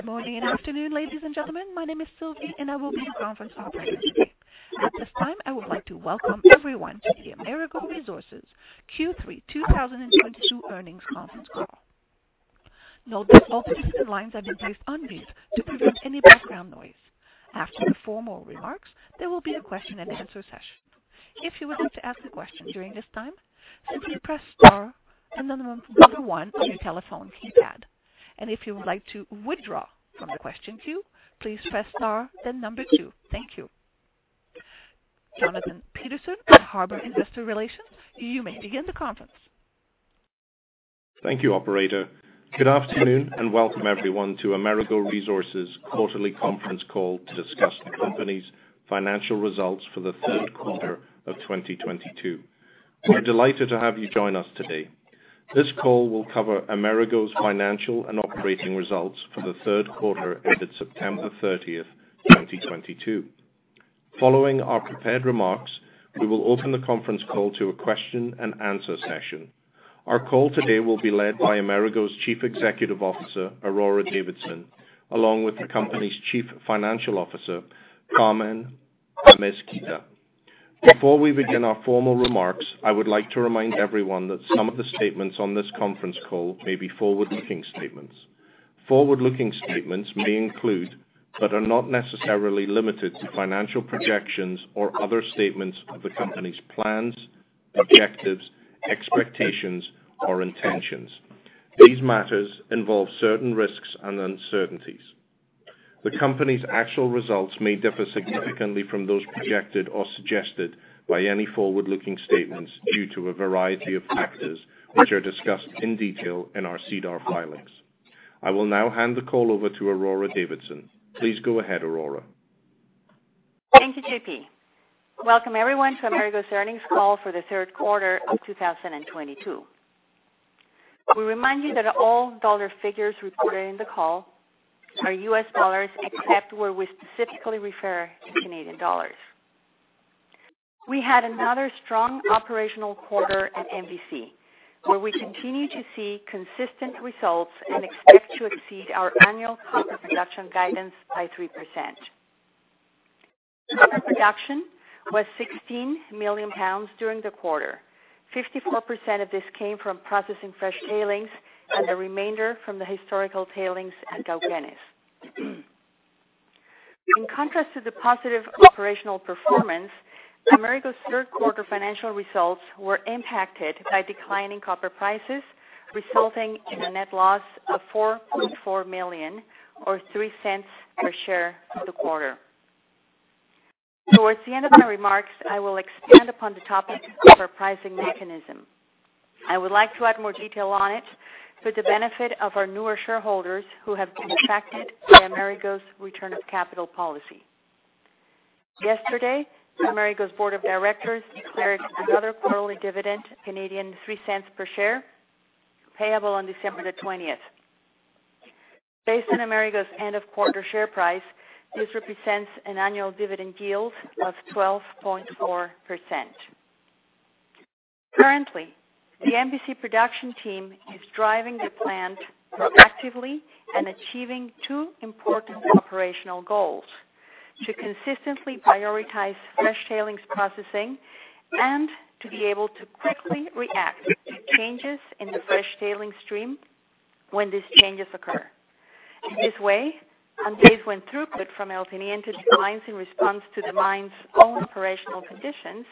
Good morning and afternoon, ladies and gentlemen. My name is Sylvie, and I will be your conference operator today. At this time, I would like to welcome everyone to the Amerigo Resources Q3 2022 earnings conference call. Note that all participant lines have been placed on mute to prevent any background noise. After the formal remarks, there will be a question-and-answer session. If you would like to ask a question during this time, simply press star and the number one on your telephone keypad. If you would like to withdraw from the question queue, please press star then number two. Thank you. Jonathan Paterson at Harbor Investor Relations, you may begin the conference. Thank you, operator. Good afternoon, and welcome everyone to Amerigo Resources quarterly conference call to discuss the company's financial results for the third quarter of 2022. We're delighted to have you join us today. This call will cover Amerigo's financial and operating results for the third quarter ended September 30, 2022. Following our prepared remarks, we will open the conference call to a question-and-answer session. Our call today will be led by Amerigo's Chief Executive Officer, Aurora Davidson, along with the company's Chief Financial Officer, Carmen Amezquita. Before we begin our formal remarks, I would like to remind everyone that some of the statements on this conference call may be forward-looking statements. Forward-looking statements may include, but are not necessarily limited to, financial projections or other statements of the company's plans, objectives, expectations, or intentions. These matters involve certain risks and uncertainties. The company's actual results may differ significantly from those projected or suggested by any forward-looking statements due to a variety of factors, which are discussed in detail in our SEDAR filings. I will now hand the call over to Aurora Davidson. Please go ahead, Aurora. Thank you, JP. Welcome everyone to Amerigo's earnings call for the third quarter of 2022. We remind you that all dollar figures reported in the call are U.S. dollars, except where we specifically refer to Canadian dollars. We had another strong operational quarter at MVC, where we continue to see consistent results and expect to exceed our annual copper production guidance by 3%. Copper production was 16 million pounds during the quarter. 54% of this came from processing fresh tailings, and the remainder from the historical tailings at Cauquenes. In contrast to the positive operational performance, Amerigo's third quarter financial results were impacted by declining copper prices, resulting in a net loss of $4.4 million or $0.03 per share for the quarter. Towards the end of my remarks, I will expand upon the topic of our pricing mechanism. I would like to add more detail on it for the benefit of our newer shareholders who have been impacted by Amerigo's return of capital policy. Yesterday, Amerigo's board of directors declared another quarterly dividend, 0.03 per share, payable on December 20. Based on Amerigo's end of quarter share price, this represents an annual dividend yield of 12.4%. Currently, the MVC production team is driving the plant proactively and achieving two important operational goals, to consistently prioritize fresh tailings processing and to be able to quickly react to changes in the fresh tailings stream when these changes occur. In this way, on days when throughput from El Teniente declines in response to the mine's own operational conditions,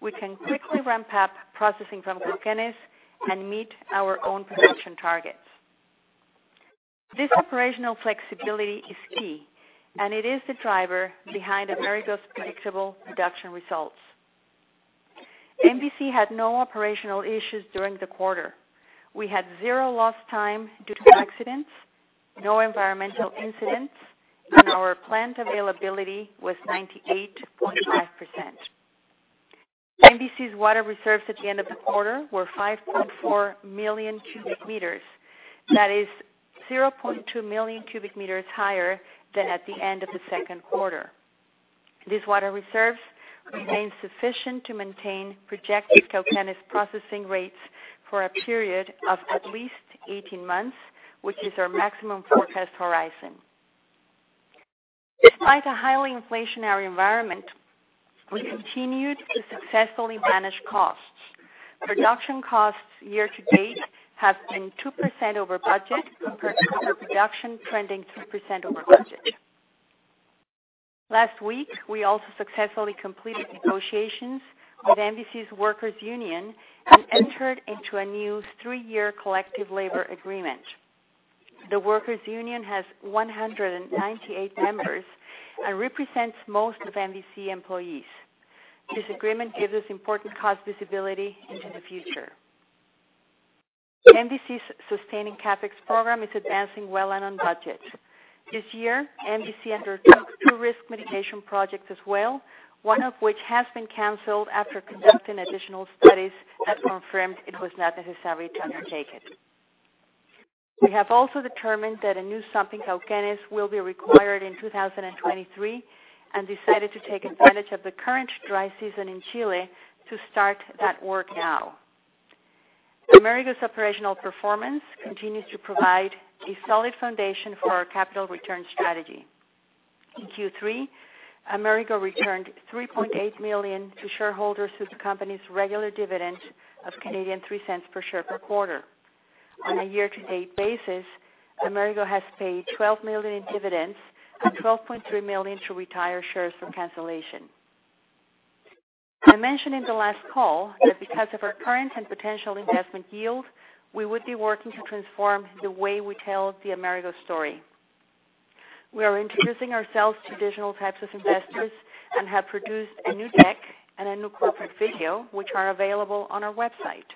we can quickly ramp up processing from Cauquenes and meet our own production targets. This operational flexibility is key, and it is the driver behind Amerigo's predictable production results. MVC had no operational issues during the quarter. We had zero lost time due to accidents, no environmental incidents, and our plant availability was 98.5%. MVC's water reserves at the end of the quarter were 5.4 million cubic meters. That is 0.2 million cubic meters higher than at the end of the second quarter. These water reserves remain sufficient to maintain projected Cauquenes processing rates for a period of at least 18 months, which is our maximum forecast horizon. Despite a highly inflationary environment, we continued to successfully manage costs. Production costs year to date have been 2% over budget versus copper production trending 3% over budget. Last week, we also successfully completed negotiations with MVC's workers union and entered into a new three-year collective labor agreement. The workers union has 198 members and represents most of MVC employees. This agreement gives us important cost visibility into the future. MVC's sustaining CapEx program is advancing well and on budget. This year, MVC undertook two risk mitigation projects as well, one of which has been canceled after conducting additional studies that confirmed it was not necessary to undertake it. We have also determined that a new sump at Cauquenes will be required in 2023 and decided to take advantage of the current dry season in Chile to start that work now. Amerigo's operational performance continues to provide a solid foundation for our capital return strategy. In Q3, Amerigo returned $3.8 million to shareholders through the company's regular dividend of 0.03 per share per quarter. On a year-to-date basis, Amerigo has paid $12 million in dividends and $12.3 million to retire shares for cancellation. I mentioned in the last call that because of our current and potential investment yield, we would be working to transform the way we tell the Amerigo story. We are introducing ourselves to digital types of investors and have produced a new deck and a new corporate video, which are available on our website.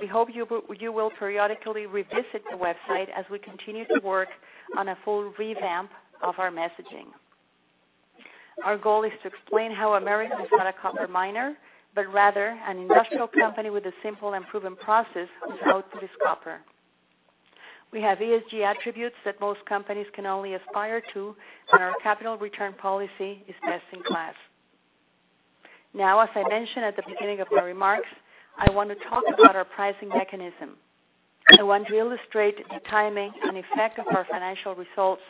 We hope you will periodically revisit the website as we continue to work on a full revamp of our messaging. Our goal is to explain how Amerigo is not a copper miner, but rather an industrial company with a simple and proven process whose output is copper. We have ESG attributes that most companies can only aspire to, and our capital return policy is best in class. Now, as I mentioned at the beginning of my remarks, I want to talk about our pricing mechanism. I want to illustrate the timing and effect of our financial results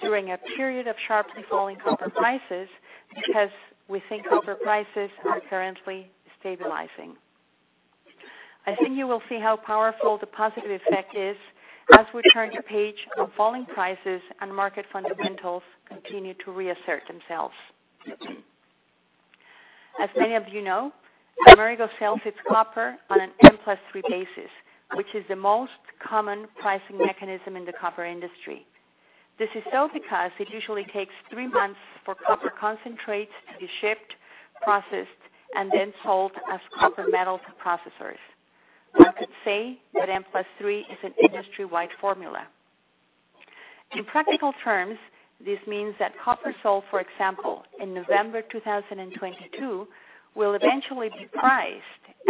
during a period of sharply falling copper prices because we think copper prices are currently stabilizing. I think you will see how powerful the positive effect is as we turn the page on falling prices and market fundamentals continue to reassert themselves. As many of you know, Amerigo sells its copper on an M+3 basis, which is the most common pricing mechanism in the copper industry. This is so because it usually takes three months for copper concentrates to be shipped, processed, and then sold as copper metal to processors. One could say that M+3 is an industry-wide formula. In practical terms, this means that copper sold, for example, in November 2022, will eventually be priced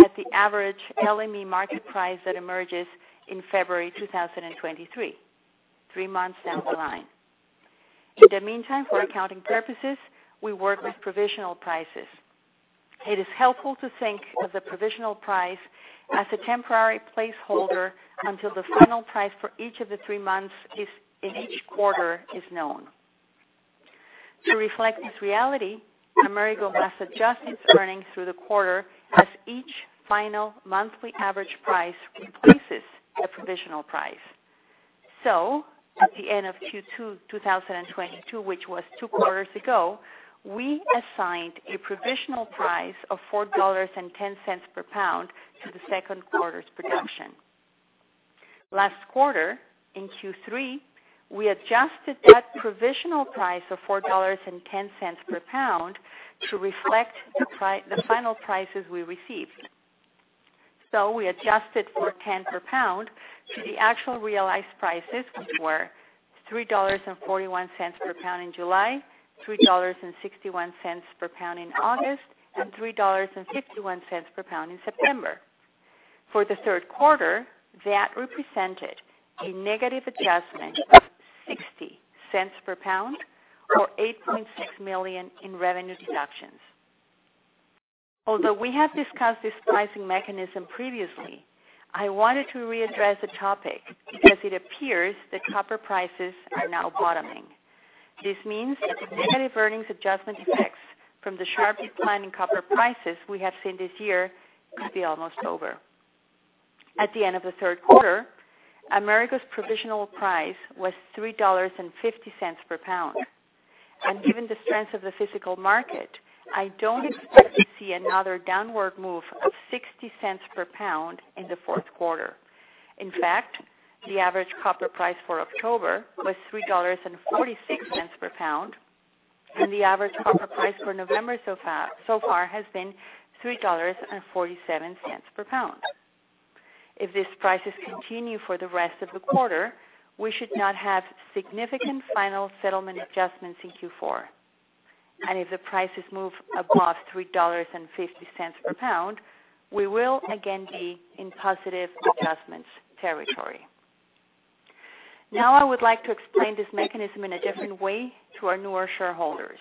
at the average LME market price that emerges in February 2023, three months down the line. In the meantime, for accounting purposes, we work with provisional prices. It is helpful to think of the provisional price as a temporary placeholder until the final price for each of the three months in each quarter is known. To reflect this reality, Amerigo has adjusted its earnings through the quarter as each final monthly average price replaces the provisional price. At the end of Q2 2022, which was two quarters ago, we assigned a provisional price of $4.10 per pound to the second quarter's production. Last quarter, in Q3, we adjusted that provisional price of $4.10 per pound to reflect the final prices we received. We adjusted $4.10 per pound to the actual realized prices, which were $3.41 per pound in July, $3.61 per pound in August, and $3.51 per pound in September. For the third quarter, that represented a negative adjustment of $0.60 per pound or $8.6 million in revenue deductions. Although we have discussed this pricing mechanism previously, I wanted to readdress the topic because it appears that copper prices are now bottoming. This means that the negative earnings adjustment effects from the sharp decline in copper prices we have seen this year could be almost over. At the end of the third quarter, Amerigo's provisional price was $3.50 per pound. Given the strength of the physical market, I don't expect to see another downward move of $0.60 per pound in the fourth quarter. In fact, the average copper price for October was $3.46 per pound, and the average copper price for November so far has been $3.47 per pound. If these prices continue for the rest of the quarter, we should not have significant final settlement adjustments in Q4. If the prices move above $3.50 per pound, we will again be in positive adjustments territory. Now, I would like to explain this mechanism in a different way to our newer shareholders.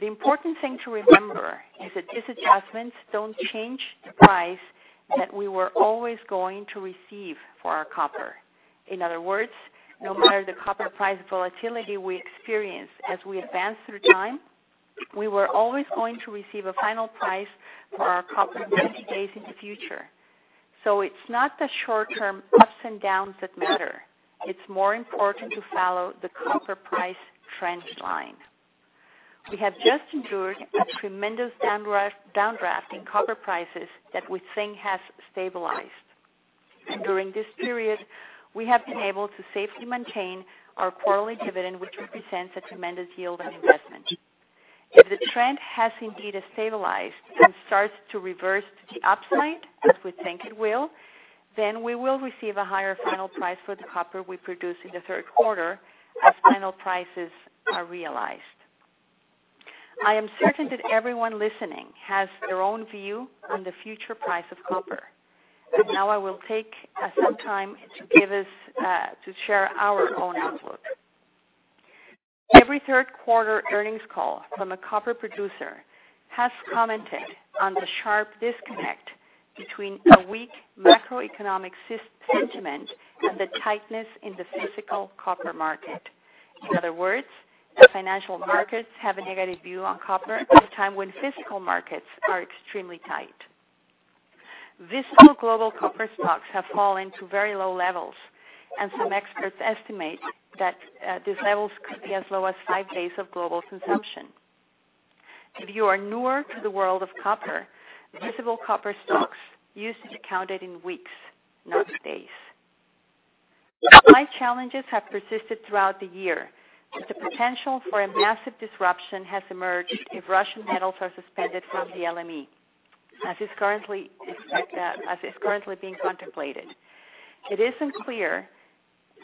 The important thing to remember is that these adjustments don't change the price that we were always going to receive for our copper. In other words, no matter the copper price volatility we experience as we advance through time, we were always going to receive a final price for our copper 90 days in the future. It's not the short-term ups and downs that matter. It's more important to follow the copper price trend line. We have just endured a tremendous downdraft in copper prices that we think has stabilized. During this period, we have been able to safely maintain our quarterly dividend, which represents a tremendous yield on investment. If the trend has indeed stabilized and starts to reverse to the upside as we think it will, then we will receive a higher final price for the copper we produced in the third quarter as final prices are realized. I am certain that everyone listening has their own view on the future price of copper, but now I will take some time to share our own outlook. Every third quarter earnings call from a copper producer has commented on the sharp disconnect between a weak macroeconomic sentiment and the tightness in the physical copper market. In other words, the financial markets have a negative view on copper at a time when physical markets are extremely tight. Visible global copper stocks have fallen to very low levels, and some experts estimate that these levels could be as low as five days of global consumption. If you are newer to the world of copper, visible copper stocks used to be counted in weeks, not days. Supply challenges have persisted throughout the year, but the potential for a massive disruption has emerged if Russian metals are suspended from the LME, as is currently being contemplated. It isn't clear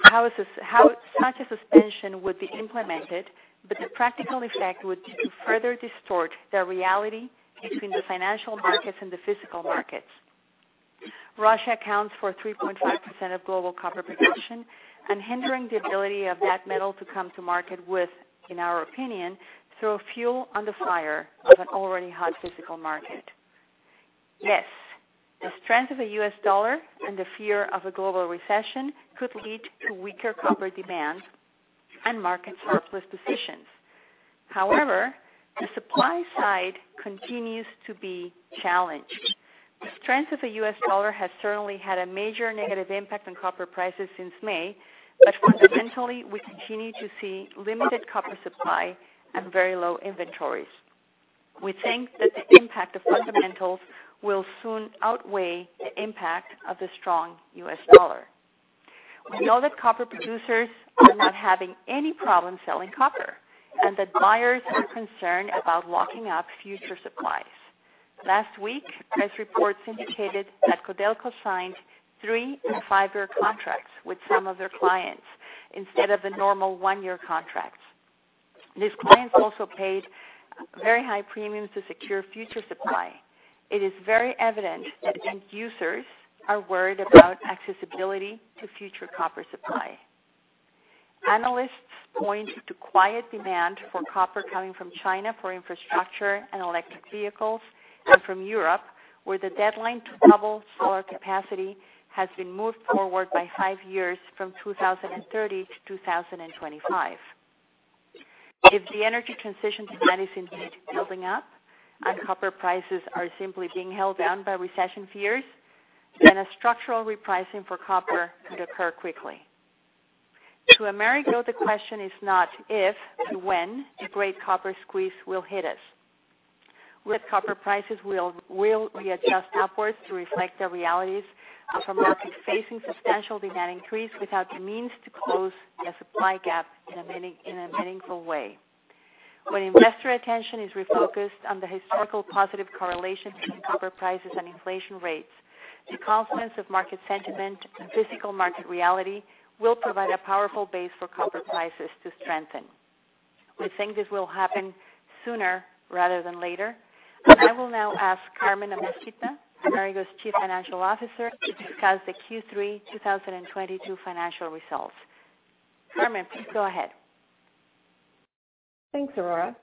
how such a suspension would be implemented, but the practical effect would be to further distort the reality between the financial markets and the physical markets. Russia accounts for 3.5% of global copper production, and hindering the ability of that metal to come to market would, in our opinion, throw fuel on the fire of an already hot physical market. Yes, the strength of the U.S. dollar and the fear of a global recession could lead to weaker copper demand and market surplus positions. However, the supply side continues to be challenged. The strength of the U.S. dollar has certainly had a major negative impact on copper prices since May, but fundamentally, we continue to see limited copper supply and very low inventories. We think that the impact of fundamentals will soon outweigh the impact of the strong U.S. dollar. We know that copper producers are not having any problem selling copper and that buyers are concerned about locking up future supplies. Last week, press reports indicated that Codelco signed 3- and 5-year contracts with some of their clients instead of the normal 1-year contracts. These clients also paid very high premiums to secure future supply. It is very evident that end users are worried about accessibility to future copper supply. Analysts point to quiet demand for copper coming from China for infrastructure and electric vehicles and from Europe, where the deadline to double solar capacity has been moved forward by five years from 2030-2025. If the energy transition demand is indeed building up and copper prices are simply being held down by recession fears, then a structural repricing for copper could occur quickly. To Amerigo, the question is not if and when a great copper squeeze will hit us. With copper prices will readjust upwards to reflect the realities of a market facing substantial demand increase without the means to close the supply gap in a meaningful way. When investor attention is refocused on the historical positive correlation between copper prices and inflation rates, the confluence of market sentiment and physical market reality will provide a powerful base for copper prices to strengthen. We think this will happen sooner rather than later. I will now ask Carmen Amezquita, Amerigo's Chief Financial Officer, to discuss the Q3 2022 financial results. Carmen, please go ahead. Thanks, Aurora.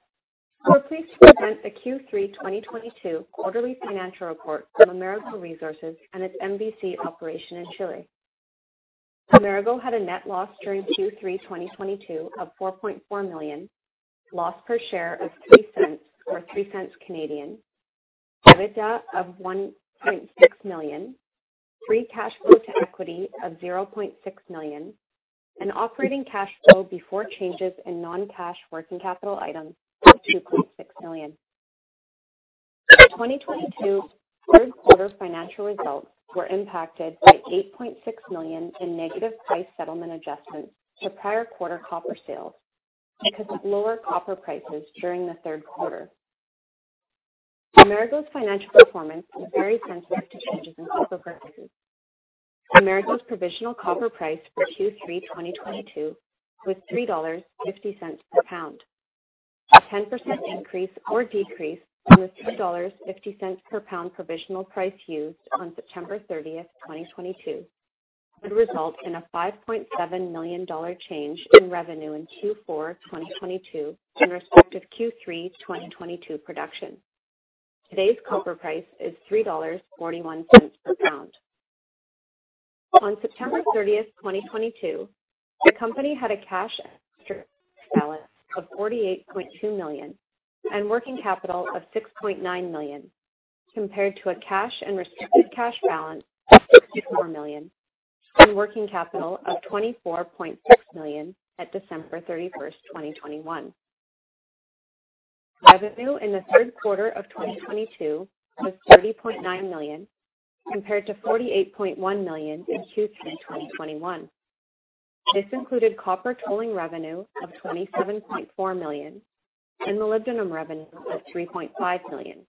We're pleased to present the Q3 2022 quarterly financial report for Amerigo Resources and its MVC operation in Chile. Amerigo had a net loss during Q3 2022 of $4.4 million. Loss per share of $0.03 or 0.03. EBITDA of $1.6 million. Free cash flow to equity of $0.6 million. An operating cash flow before changes in non-cash working capital items of $2.6 million. The 2022 third quarter financial results were impacted by $8.6 million in negative price settlement adjustments to prior quarter copper sales because of lower copper prices during the third quarter. Amerigo's financial performance is very sensitive to changes in copper prices. Amerigo's provisional copper price for Q3 2022 was $3.50 per pound. A 10% increase or decrease in the $3.50 per pound provisional price used on September 30, 2022, would result in a $5.7 million change in revenue in Q4 2022 in respect of Q3 2022 production. Today's copper price is $3.41 per pound. On September 30, 2022, the company had a cash balance of $48.2 million and working capital of $6.9 million, compared to a cash and restricted cash balance of $64 million and working capital of $24.6 million at December 31, 2021. Revenue in the third quarter of 2022 was $30.9 million, compared to $48.1 million in Q3 2021. This included copper tolling revenue of $27.4 million and molybdenum revenue of $3.5 million.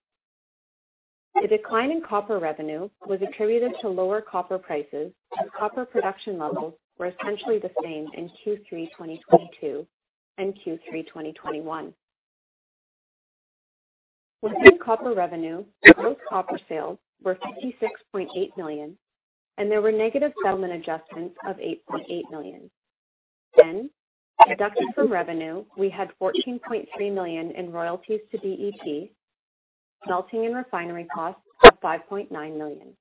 The decline in copper revenue was attributed to lower copper prices, and copper production levels were essentially the same in Q3 2022 and Q3 2021. Within copper revenue, gross copper sales were $56.8 million and there were negative settlement adjustments of $8.8 million. Deducted from revenue, we had $14.3 million in royalties to DET, smelting and refinery costs of $5.9 million,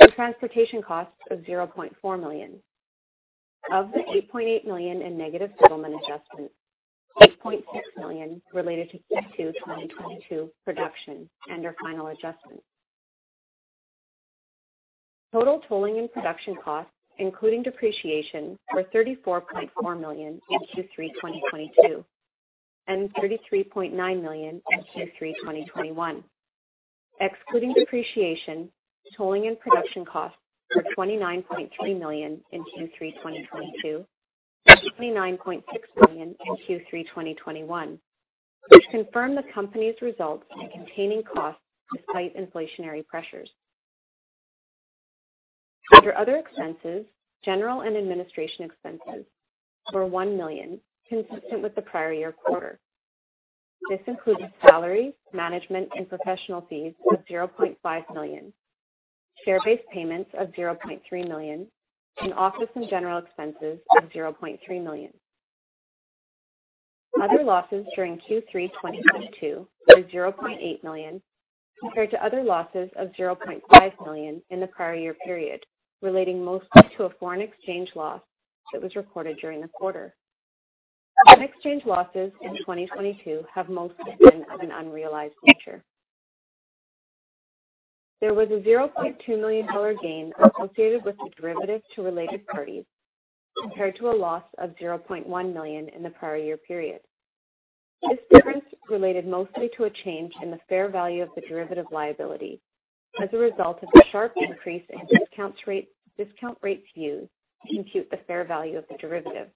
and transportation costs of $0.4 million. Of the $8.8 million in negative settlement adjustments, $8.6 million related to Q2 2022 production and their final adjustment. Total tolling and production costs, including depreciation, were $34.4 million in Q3 2022 and $33.9 million in Q3 2021. Excluding depreciation, tolling and production costs were $29.3 million in Q3 2022 and $29.6 million in Q3 2021, which confirm the company's results in containing costs despite inflationary pressures. Under other expenses, general and administration expenses were $1 million, consistent with the prior year quarter. This included salaries, management, and professional fees of $0.5 million, share-based payments of $0.3 million, and office and general expenses of $0.3 million. Other losses during Q3 2022 were $0.8 million compared to other losses of $0.5 million in the prior year period, relating mostly to a foreign exchange loss that was recorded during the quarter. Foreign exchange losses in 2022 have mostly been of an unrealized nature. There was a $0.2 million gain associated with the derivative to related parties compared to a loss of $0.1 million in the prior year period. This difference related mostly to a change in the fair value of the derivative liability as a result of the sharp increase in discount rate, discount rates used to compute the fair value of the derivative,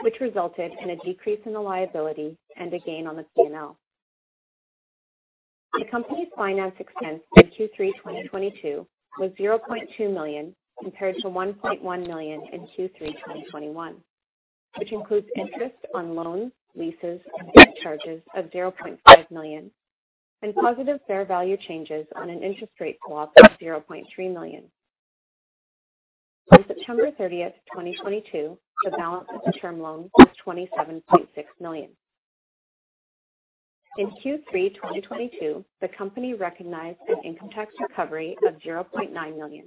which resulted in a decrease in the liability and a gain on the P&L. The company's finance expense in Q3 2022 was $0.2 million compared to $1.1 million in Q3 2021, which includes interest on loans, leases, and debt charges of $0.5 million and positive fair value changes on an interest rate swap of $0.3 million. On September 30, 2022, the balance of the term loan was $27.6 million. In Q3 2022, the company recognized an income tax recovery of $0.9 million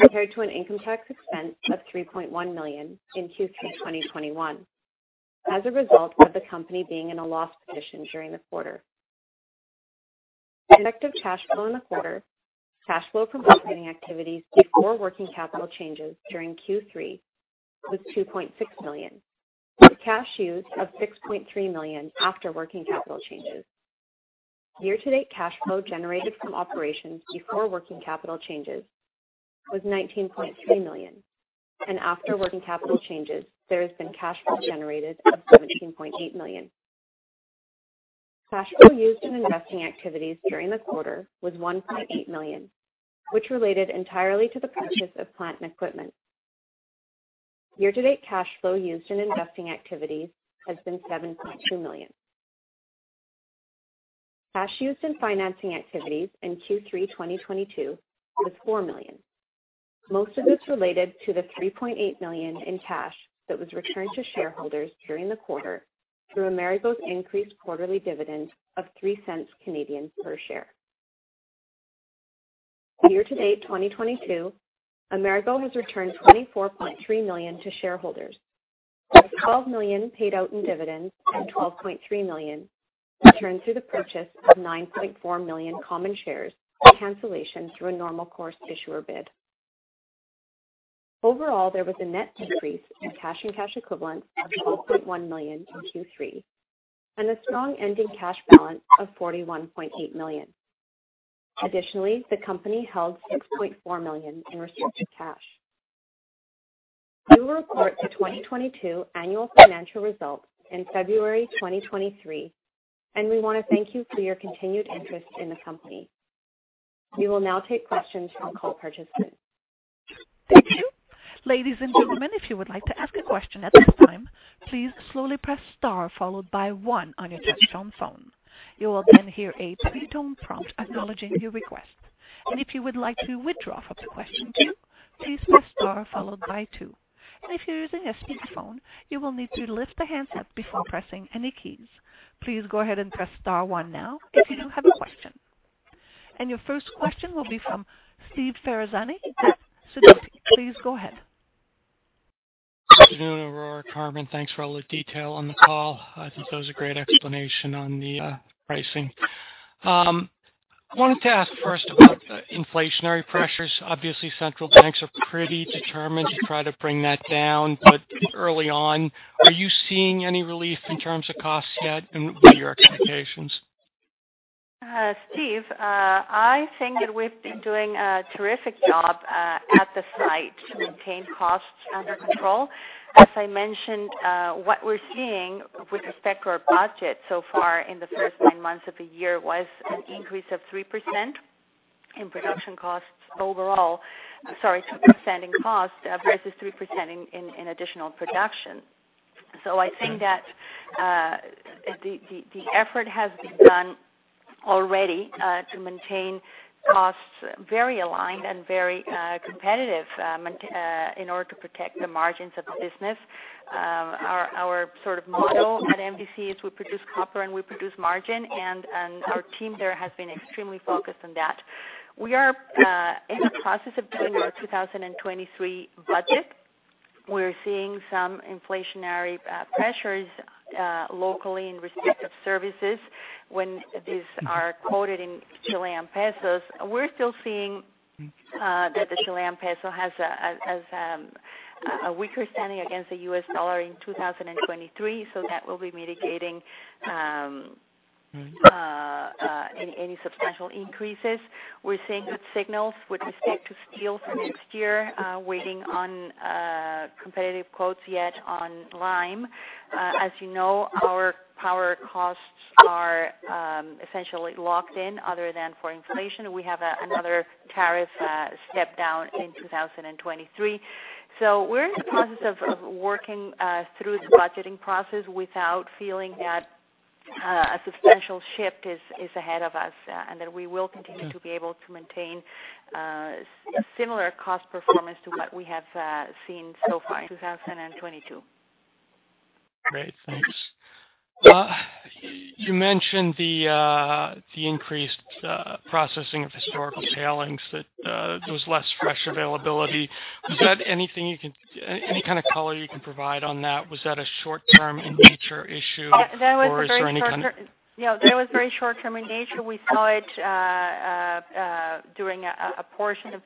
compared to an income tax expense of $3.1 million in Q3 2021 as a result of the company being in a loss position during the quarter. Cash flow in the quarter, cash flow from operating activities before working capital changes during Q3 was $2.6 million, with cash used of $6.3 million after working capital changes. Year-to-date cash flow generated from operations before working capital changes was $19.3 million. After working capital changes, there has been cash flow generated of $17.8 million. Cash flow used in investing activities during the quarter was $1.8 million, which related entirely to the purchase of plant and equipment. Year-to-date cash flow used in investing activities has been $7.2 million. Cash used in financing activities in Q3 2022 was $4 million. Most of this related to the $3.8 million in cash that was returned to shareholders during the quarter through Amerigo's increased quarterly dividend of 0.03 per share. Year-to-date 2022, Amerigo has returned $24.3 million to shareholders, with $12 million paid out in dividends and $12.3 million returned through the purchase of 9.4 million common shares for cancellation through a Normal Course Issuer Bid. Overall, there was a net decrease in cash and cash equivalents of $2.1 million in Q3 and a strong ending cash balance of $41.8 million. Additionally, the company held $6.4 million in restricted cash. We will report the 2022 annual financial results in February 2023, and we wanna thank you for your continued interest in the company. We will now take questions from call participants. Thank you. Ladies and gentlemen, if you would like to ask a question at this time, please slowly press star followed by one on your touchtone phone. You will then hear a pre-tone prompt acknowledging your request. If you would like to withdraw from the question queue, please press star followed by two. If you're using a speakerphone, you will need to lift the handset before pressing any keys. Please go ahead and press star one now if you do have a question. Your first question will be from Steve Ferazani at Sidoti & Company. Please go ahead. Good afternoon, Aurora, Carmen. Thanks for all the detail on the call. I think that was a great explanation on the pricing. Wanted to ask first about the inflationary pressures. Obviously, central banks are pretty determined to try to bring that down. Early on, are you seeing any relief in terms of costs yet, and what are your expectations? Steve, I think that we've been doing a terrific job at the site to maintain costs under control. As I mentioned, what we're seeing with respect to our budget so far in the first nine months of the year was an increase of 3% in production costs overall. Sorry, 2% in costs versus 3% in additional production. I think that the effort has been done already to maintain costs very aligned and very competitive in order to protect the margins of the business. Our sort of model at MVC is we produce copper and we produce margin. Our team there has been extremely focused on that. We are in the process of doing our 2023 budget. We're seeing some inflationary pressures locally in respect of services when these are quoted in Chilean pesos. We're still seeing that the Chilean peso has a weaker standing against the U.S. dollar in 2023, so that will be mitigating any substantial increases. We're seeing good signals with respect to steel for next year, waiting on competitive quotes yet on lime. As you know, our power costs are essentially locked in other than for inflation. We have another tariff step down in 2023. We're in the process of working through the budgeting process without feeling that a substantial shift is ahead of us, and that we will continue to be able to maintain similar cost performance to what we have seen so far in 2022. Great. Thanks. You mentioned the increased processing of historical tailings that there was less fresh availability. Was that any kind of color you can provide on that? Was that a short-term in nature issue? Or is there any kind of That was a very short-term. No, that was very short-term in nature. We saw it during a portion of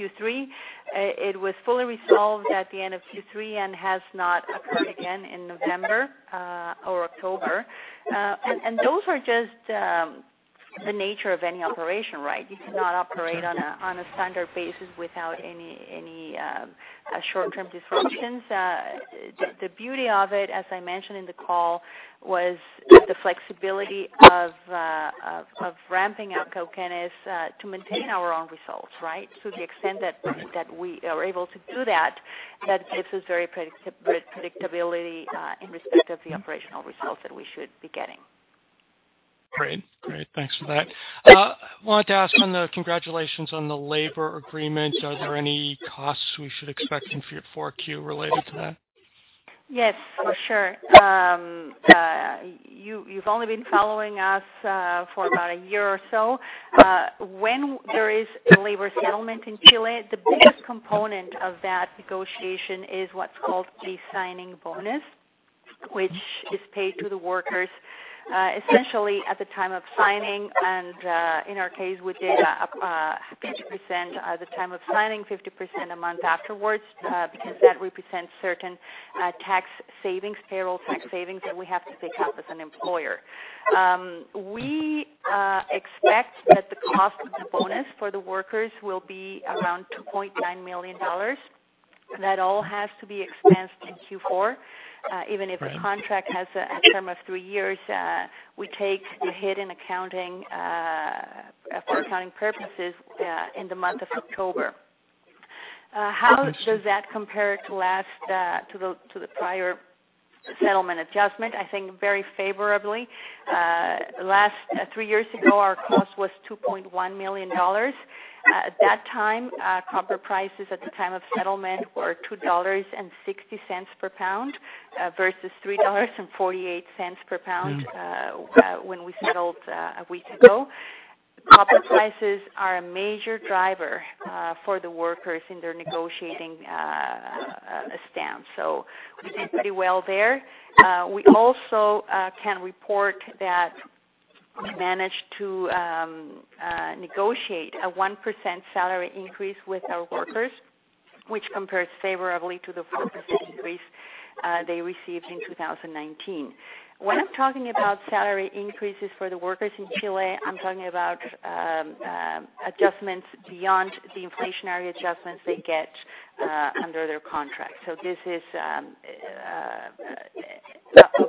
Q3. It was fully resolved at the end of Q3 and has not occurred again in November or October. Those are just the nature of any operation, right? You cannot operate on a standard basis without any short-term disruptions. The beauty of it, as I mentioned in the call, was the flexibility of ramping up Cauquenes to maintain our own results, right? To the extent that we are able to do that gives us very predictability in respect of the operational results that we should be getting. Great. Thanks for that. Wanted to ask on the congratulations on the labor agreement. Are there any costs we should expect in Q4 related to that? Yes, for sure. You've only been following us for about a year or so. When there is a labor settlement in Chile, the biggest component of that negotiation is what's called the signing bonus, which is paid to the workers, essentially at the time of signing. In our case, we did 50% at the time of signing, 50% a month afterwards, because that represents certain tax savings, payroll tax savings that we have to take up as an employer. We expect that the cost of the bonus for the workers will be around $2.9 million. That all has to be expensed in Q4. Even if the contract has a term of three years, we take the hit in accounting for accounting purposes in the month of October. How does that compare to the prior settlement adjustment? I think very favorably. Three years ago, our cost was $2.1 million. At that time, copper prices at the time of settlement were $2.60 per pound versus $3.48 per pound when we settled a week ago. Copper prices are a major driver for the workers in their negotiating stance. We did pretty well there. We also can report that we managed to negotiate a 1% salary increase with our workers, which compares favorably to the 4% increase they received in 2019. When I'm talking about salary increases for the workers in Chile, I'm talking about adjustments beyond the inflationary adjustments they get under their contract. This is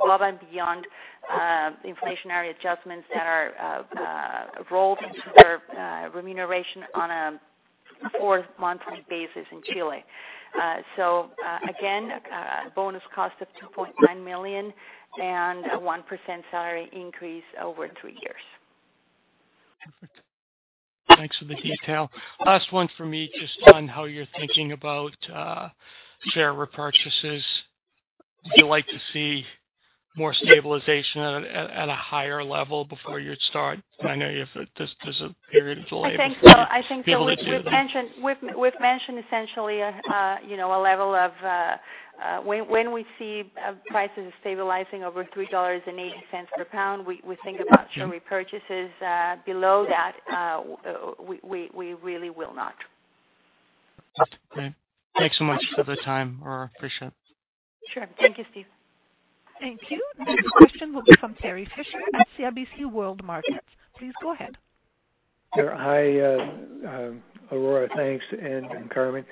above and beyond inflationary adjustments that are rolled into their remuneration on a four-monthly basis in Chile. Again, a bonus cost of $2.9 million and a 1% salary increase over three years. Perfect. Thanks for the detail. Last one for me, just on how you're thinking about share repurchases. Would you like to see more stabilization at a higher level before you'd start? I know you have. There's a period of delay. I think so. I think that we've mentioned. To be able to do that. We've mentioned essentially, you know, a level of, when we see prices stabilizing over $3.80 per pound, we think about share repurchases. Below that, we really will not. Okay. Thanks so much for the time, Aurora. Appreciate it. Sure. Thank you, Steve. Thank you. Next question will be from Terry Fisher at CIBC World Markets. Please go ahead. Sure. Hi, Aurora. Thanks. And Carmen,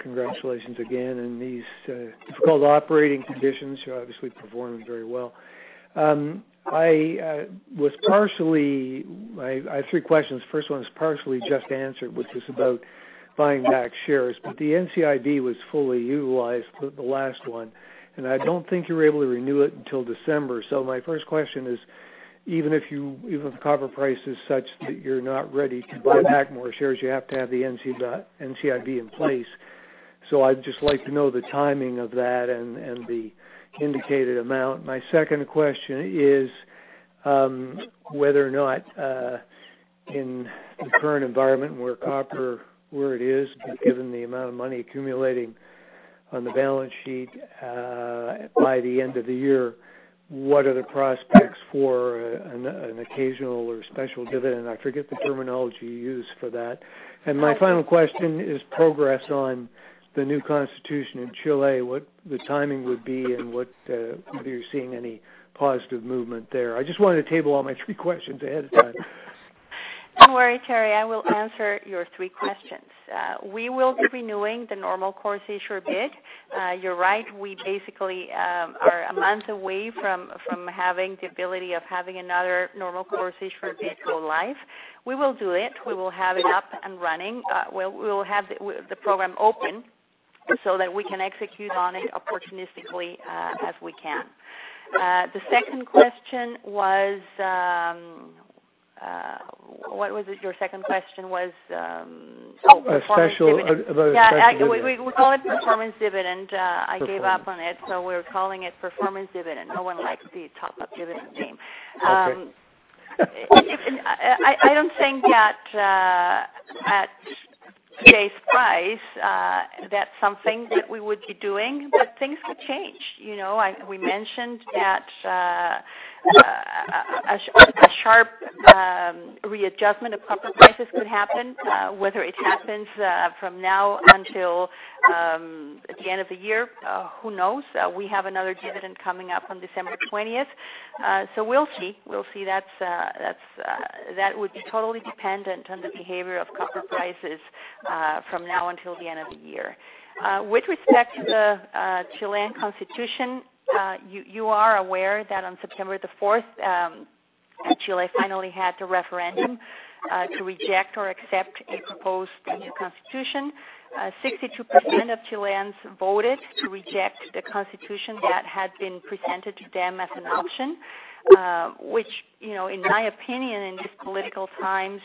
congratulations again in these difficult operating conditions. You're obviously performing very well. I have three questions. First one is partially just answered, which is about buying back shares, but the NCIB was fully utilized with the last one, and I don't think you were able to renew it until December. My first question is, even if the copper price is such that you're not ready to buy back more shares, you have to have the NCIB in place. I'd just like to know the timing of that and the indicated amount. My second question is whether or not in the current environment where copper is, given the amount of money accumulating on the balance sheet by the end of the year, what are the prospects for an occasional or special dividend? I forget the terminology you use for that. My final question is progress on the new constitution in Chile, what the timing would be and what whether you're seeing any positive movement there. I just wanted to table all my three questions ahead of time. Don't worry, Terry. I will answer your three questions. We will be renewing the Normal Course Issuer Bid. You're right. We basically are a month away from having the ability of having another Normal Course Issuer Bid go live. We will do it. We will have it up and running. We'll have the program open so that we can execute on it opportunistically, as we can. The second question was, what was it your second question was. About a special dividend. Yeah, we call it performance dividend. I gave up on it, so we're calling it performance dividend. No one likes the top-up dividend name. Okay. I don't think that at today's price, that's something that we would be doing, but things could change. You know, we mentioned that a sharp readjustment of copper prices could happen. Whether it happens from now until the end of the year, who knows? We have another dividend coming up on December 20th. We'll see. That would be totally dependent on the behavior of copper prices from now until the end of the year. With respect to the Chilean constitution, you are aware that on September the 4th, Chile finally had the referendum to reject or accept a proposed new constitution. 62% of Chileans voted to reject the constitution that had been presented to them as an option, which, you know, in my opinion, in these political times,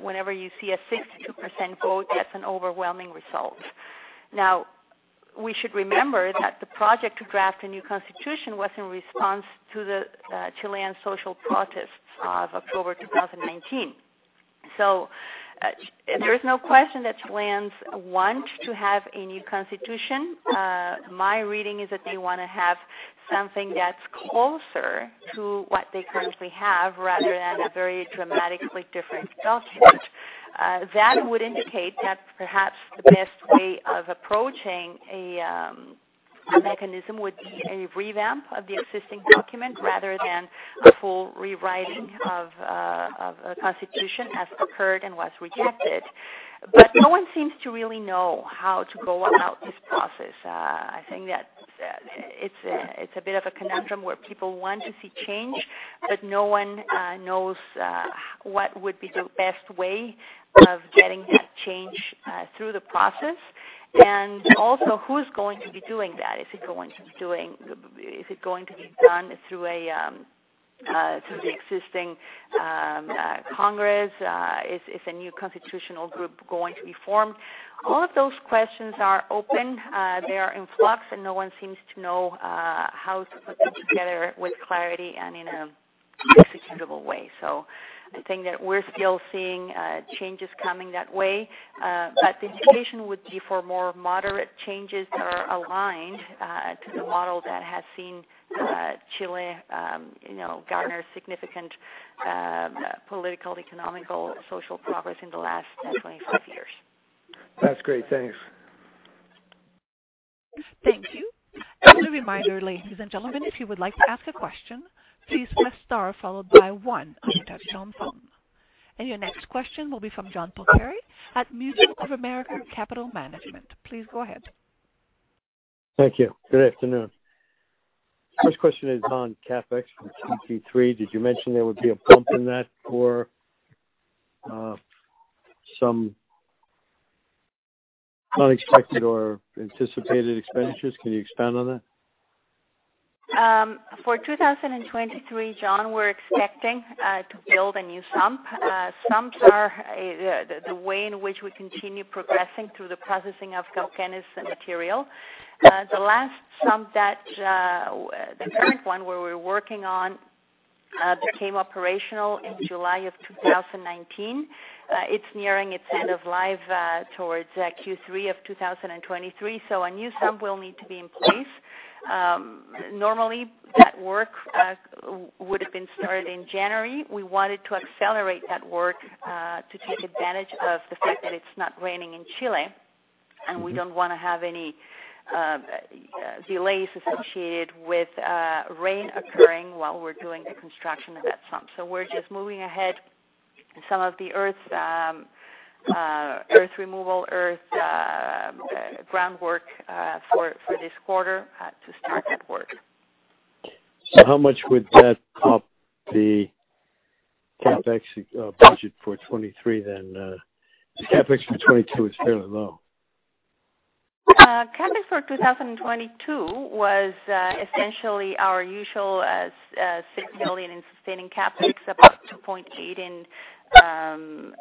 whenever you see a 62% vote, that's an overwhelming result. Now, we should remember that the project to draft a new constitution was in response to the Chilean social protests of October 2019. There is no question that Chileans want to have a new constitution. My reading is that they wanna have something that's closer to what they currently have rather than a very dramatically different document. That would indicate that perhaps the best way of approaching a mechanism would be a revamp of the existing document rather than a full rewriting of a constitution, as occurred and was rejected. No one seems to really know how to go about this process. I think that it's a bit of a conundrum where people want to see change, but no one knows what would be the best way of getting that change through the process. Who's going to be doing that? Is it going to be done through the existing congress? Is a new constitutional group going to be formed? All of those questions are open. They are in flux, and no one seems to know how to put them together with clarity and in an executable way. I think that we're still seeing changes coming that way, but the indication would be for more moderate changes that are aligned to the model that has seen Chile, you know, garner significant political, economic, social progress in the last 25 years. That's great. Thanks. Thank you. As a reminder, ladies and gentlemen, if you would like to ask a question, please press star followed by one on your telephone. Your next question will be from John Polcari at Mutual of America Capital Management. Please go ahead. Thank you. Good afternoon. First question is on CapEx for Q3. Did you mention there would be a bump in that for some unexpected or anticipated expenditures? Can you expand on that? For 2023, John, we're expecting to build a new sump. Sumps are the way in which we continue progressing through the processing of Cauquenes material. The last sump that the current one where we're working on became operational in July of 2019. It's nearing its end of life towards Q3 of 2023, so a new sump will need to be in place. Normally, that work would have been started in January. We wanted to accelerate that work to take advantage of the fact that it's not raining in Chile, and we don't wanna have any delays associated with rain occurring while we're doing the construction of that sump. We're just moving ahead. Some of the earth removal, groundwork for this quarter to start that work. How much would that up the CapEx budget for 2023 then? The CapEx for 2022 is fairly low. CapEx for 2022 was essentially our usual $6 million in sustaining CapEx, about $2.8 million in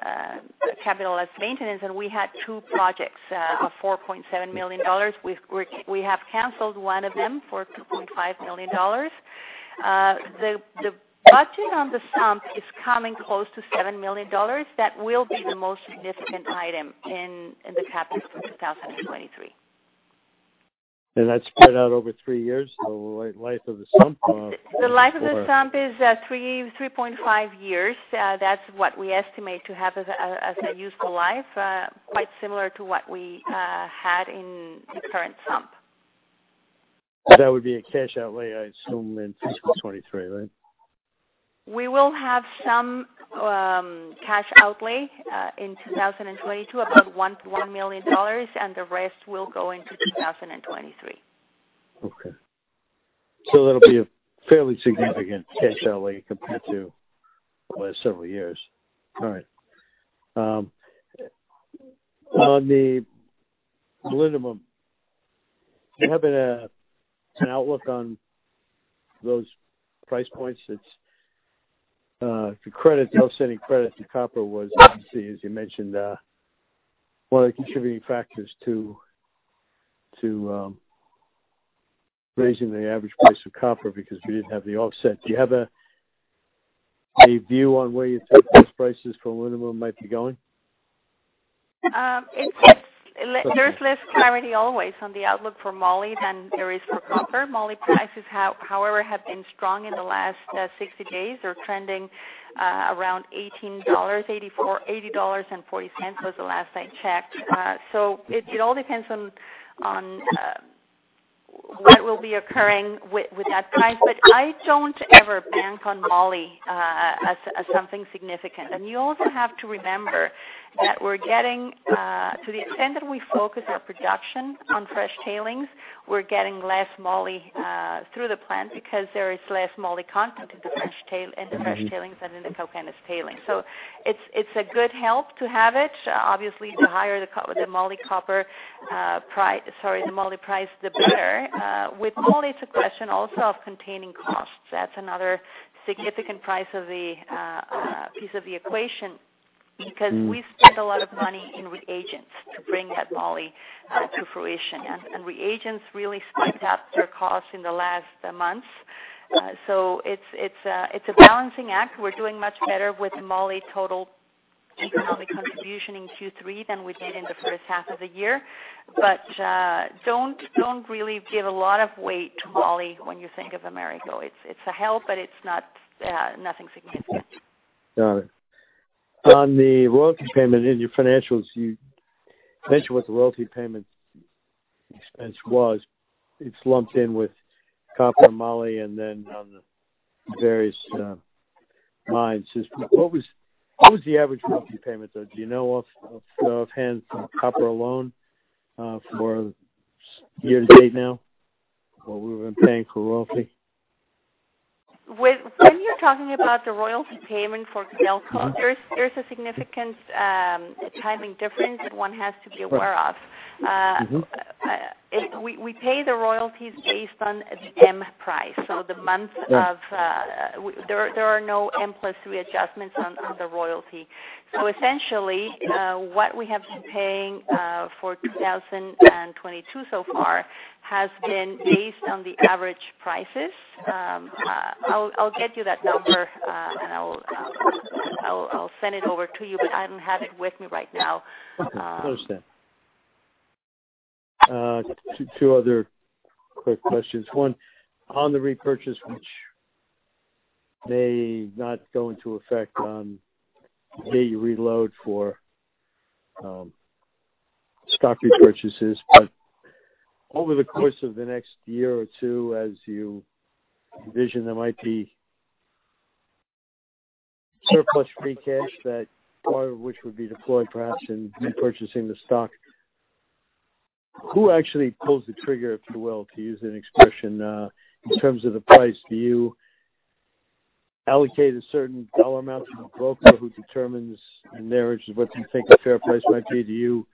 capital maintenance. We had two projects of $4.7 million. We have canceled one of them for $2.5 million. The budget on the sump is coming close to $7 million. That will be the most significant item in the CapEx for 2023. That's spread out over three years, the life of the sump or. The life of the sump is 3.5 years. That's what we estimate to have as a useful life, quite similar to what we had in the current sump. That would be a cash outlay, I assume, in fiscal 2023, right? We will have some cash outlay in 2022, about $1 million, and the rest will go into 2023. Okay. That'll be a fairly significant cash outlay compared to the last several years. All right. On the molybdenum, do you have an outlook on those price points that's the credit, the offsetting credit to copper was, obviously, as you mentioned, one of the contributing factors to raising the average price of copper because we didn't have the offset. Do you have a view on where you think those prices for molybdenum might be going? There's less clarity always on the outlook for moly than there is for copper. Moly prices, however, have been strong in the last 60 days. They're trending around $18.84. $18.40 was the last I checked. So it all depends on what will be occurring with that price. But I don't ever bank on moly as something significant. And you also have to remember that we're getting, to the extent that we focus our production on fresh tailings, we're getting less moly through the plant because there is less moly content in the fresh tailings than in the Cauquenes tailings. So it's a good help to have it. Obviously, the higher the moly price, the better. With moly it's a question also of containing costs. That's another significant piece of the equation, because we spend a lot of money in reagents to bring that moly to fruition. Reagents really spiked up their costs in the last months. It's a balancing act. We're doing much better with moly total economic contribution in Q3 than we did in the first half of the year. Don't really give a lot of weight to moly when you think of Amerigo. It's a help, but it's not nothing significant. Got it. On the royalty payment, in your financials, you mentioned what the royalty payment expense was. It's lumped in with copper, moly and then on the various mines. Just what was the average royalty payment, though? Do you know offhand for copper alone, for year to date now, what we've been paying for royalty? When you're talking about the royalty payment for Codelco, there's a significant timing difference that one has to be aware of. Mm-hmm. We pay the royalties based on the M+3 price. There are no M+3 readjustments on the royalty. Essentially, what we have been paying for 2022 so far has been based on the average prices. I'll get you that number, and I'll send it over to you, but I don't have it with me right now. Okay. Understood. Two other quick questions. One, on the repurchase, which may not go into effect on the reload for stock repurchases. Over the course of the next year or two, as you envision there might be surplus free cash, that part of which would be deployed perhaps in repurchasing the stock. Who actually pulls the trigger, if you will, to use that expression, in terms of the price? Do you allocate a certain dollar amount to the broker who determines in their eyes what you think a fair price might be? Do you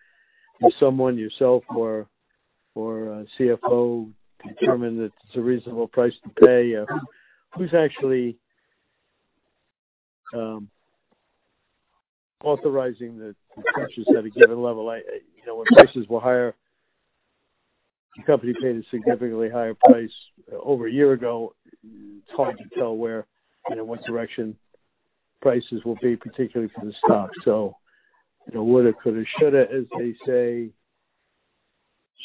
or someone, yourself or a CFO determine that it's a reasonable price to pay? Who's actually authorizing the purchase at a given level? You know, when prices were higher, the company paid a significantly higher price over a year ago. It's hard to tell where, you know, what direction prices will be, particularly for the stock. You know, woulda, coulda, shoulda, as they say,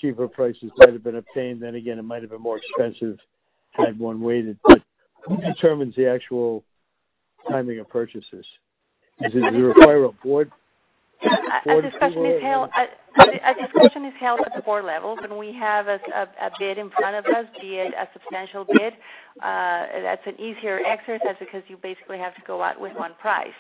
cheaper prices might have been obtained. Again, it might have been more expensive had one waited. Who determines the actual timing of purchases? Is it the requirement of the board? A discussion is held at the board level. When we have a bid in front of us, be it a substantial bid, that's an easier exercise because you basically have to go out with one price.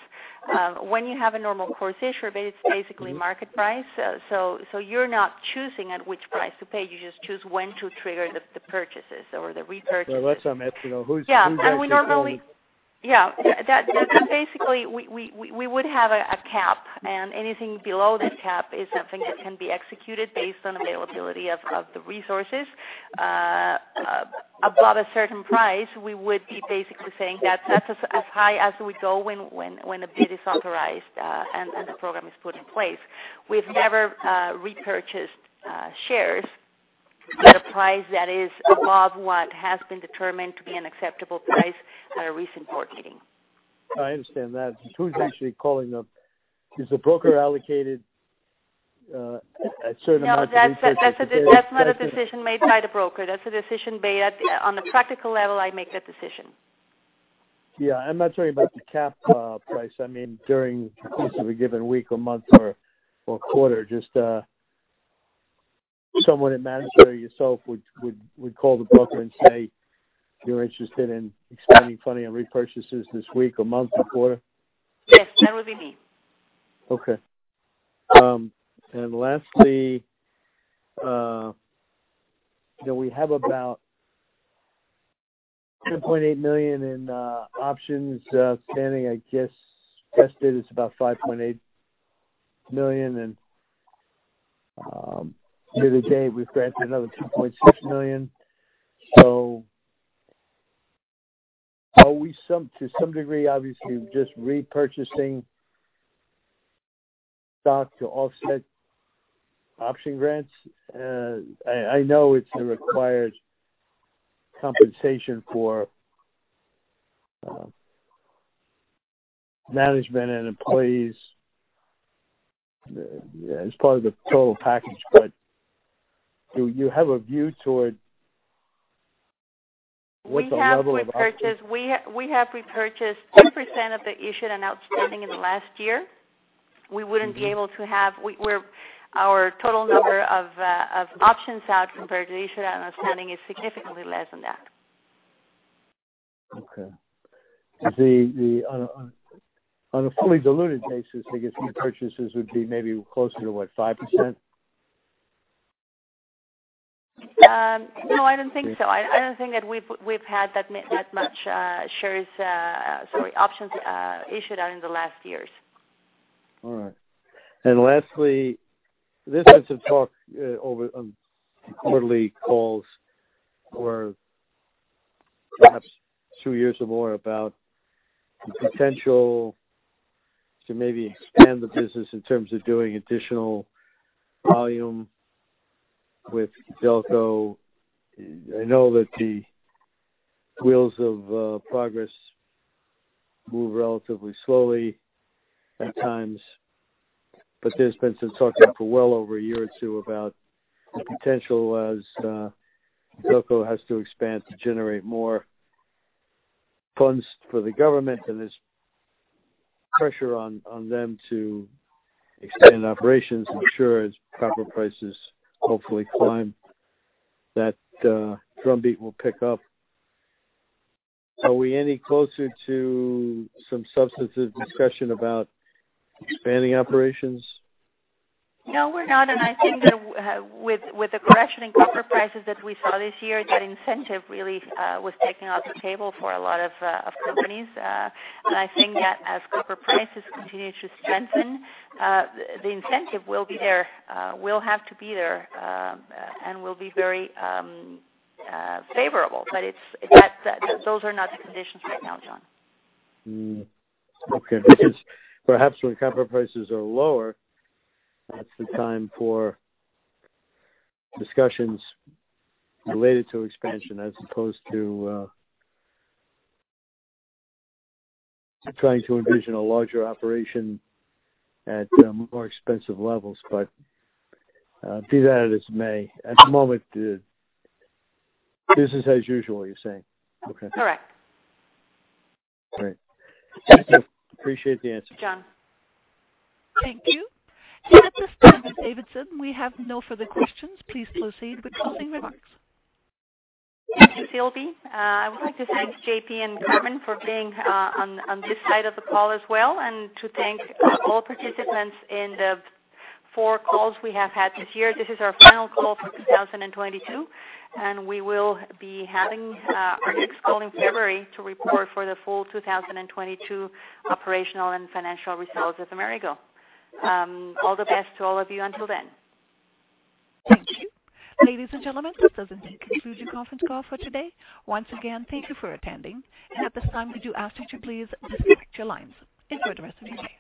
When you have a Normal Course Issuer Bid, it's basically market price. You're not choosing at which price to pay. You just choose when to trigger the purchases or the repurchases. That's something that, you know, who's actually calling? That basically we would have a cap and anything below the cap is something that can be executed based on availability of the resources. Above a certain price, we would be basically saying that that's as high as we go when a bid is authorized, and the program is put in place. We've never repurchased shares at a price that is above what has been determined to be an acceptable price at a recent board meeting. I understand that. Is the broker allocated a certain amount to repurchase? No, that's not a decision made by the broker. That's a decision made. On a practical level, I make that decision. Yeah. I'm not talking about the cap price. I mean, during the course of a given week or month or a quarter, just someone at management or yourself would call the broker and say, "We're interested in spending money on repurchases this week or month or quarter? Yes, that would be me. Okay. Lastly, you know, we have about 2.8 million in options standing. I guess vested it's about 5.8 million. The other day we've granted another 2.6 million. Are we to some degree, obviously, just repurchasing stock to offset option grants? I know it's a required compensation for management and employees. Yeah, it's part of the total package. Do you have a view toward what's the level of options- We have repurchased 2% of the issued and outstanding in the last year. Mm-hmm. Our total number of options outstanding compared to the issued and outstanding is significantly less than that. Okay. On a fully diluted basis, I guess repurchases would be maybe closer to what, 5%? No, I don't think so. Okay. I don't think that we've had that much shares, sorry, options issued out in the last years. All right. Lastly, there's been some talk over quarterly calls for perhaps two years or more about the potential to maybe expand the business in terms of doing additional volume with Codelco. I know that the wheels of progress move relatively slowly at times, but there's been some talk for well over a year or two about the potential as Codelco has to expand to generate more funds for the government, and there's pressure on them to expand operations. I'm sure as copper prices hopefully climb, that drumbeat will pick up. Are we any closer to some substantive discussion about expanding operations? No, we're not. I think that with the correction in copper prices that we saw this year, that incentive really was taken off the table for a lot of companies. I think that as copper prices continue to strengthen, the incentive will be there, will have to be there, and will be very favorable. It's that. Those are not the conditions right now, John. Because perhaps when copper prices are lower, that's the time for discussions related to expansion as opposed to trying to envision a larger operation at more expensive levels. Be that as it may, at the moment, the business as usual, you're saying? Okay. Correct. All right. Thank you. Appreciate the answer. John. Thank you. At this time, Ms. Davidson, we have no further questions. Please proceed with closing remarks. Thank you, Sylvie. I would like to thank JP and Carmen for being on this side of the call as well, and to thank all participants in the four calls we have had this year. This is our final call for 2022, and we will be having our next call in February to report for the full 2022 operational and financial results of Amerigo. All the best to all of you until then. Thank you. Ladies and gentlemen, this does indeed conclude your conference call for today. Once again, thank you for attending. At this time, could you ask that you please disconnect your lines. Enjoy the rest of your day.